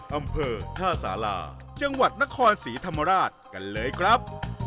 อำเภอท่าสาราจังหวัดนครศรีธรรมราชกันเลยครับ